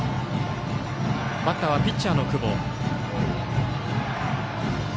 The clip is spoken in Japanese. バッターはピッチャーの久保。